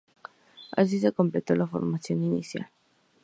Así se completó la formación inicial.